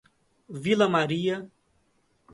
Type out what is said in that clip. Vila Maria